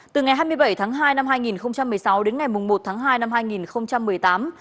từ ngày hai mươi bảy tháng hai năm hai nghìn một mươi sáu đến ngày một tháng hai năm hai nghìn một mươi tám